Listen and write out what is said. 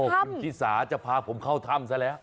อ๋อคุณธิสาจะพาผมเข้าธรรมซะแล้ว